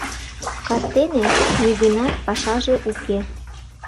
Кастене нигӧнат пашаже уке...